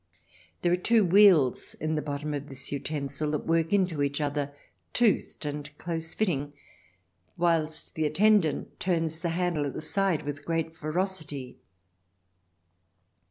There are two wheels in the bottom of this utensil that work into each other, toothed and close fitting, whilst the attendant turns the handle at the side with great ferocity.